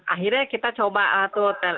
akhirnya kita coba tuh